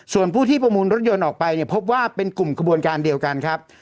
ส่วนผู้ที่ประมูลรถยนต์ออกไปเนี่ยพบว่าเป็นกลุ่มกระบวนการเดียวกันครับ